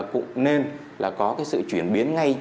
cũng nên là có cái sự chuyển biến ngay